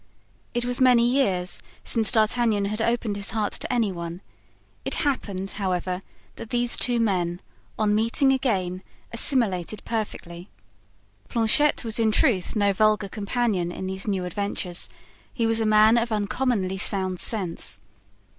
It was many years since D'Artagnan had opened his heart to any one; it happened, however, that these two men, on meeting again, assimilated perfectly. Planchet was in truth no vulgar companion in these new adventures; he was a man of uncommonly sound sense.